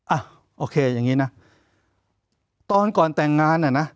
อ่ะโอเคอย่างนี้นะตอนก่อนแต่งงานอ่ะนะ